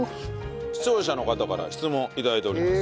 視聴者の方から質問頂いております。